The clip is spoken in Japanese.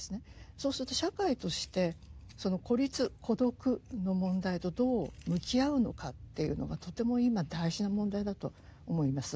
そうすると社会としてその孤立・孤独の問題とどう向き合うのかっていうのがとても今大事な問題だと思います。